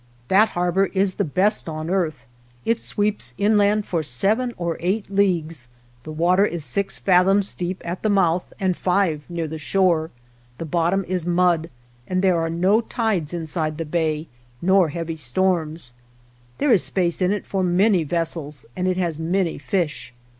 That harbor is the best on earth. It sweeps inland for seven or eight leagues; the water is six fathoms deep at the mouth and five near the shore ; the bottom is mud, and there are no tides inside the bay, nor heavy storms. There is space in it for many vessels, and it has many fish.